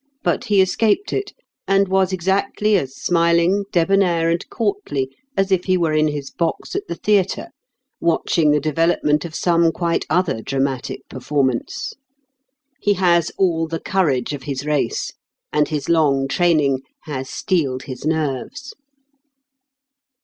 But he escaped it, and was exactly as smiling, debonair and courtly as if he were in his box at the theatre watching the development of some quite other dramatic performance. He has all the courage of his race, and his long training has steeled his nerves.